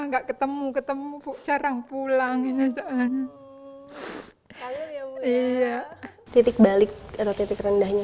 enggak ketemu ketemu sarang pulangnya saat titik balik atau titik rendahnya